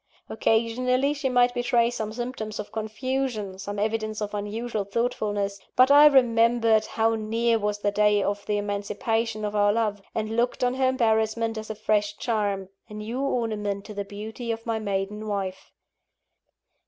Occasionally, she might betray some symptoms of confusion, some evidences of unusual thoughtfulness but I remembered how near was the day of the emancipation of our love, and looked on her embarrassment as a fresh charm, a new ornament to the beauty of my maiden wife.